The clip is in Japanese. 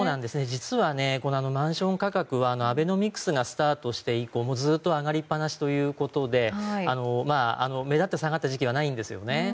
実はマンション価格はアベノミクスがスタートして以降ずっと上がりっぱなしということで目立って下がった時期がないんですよね。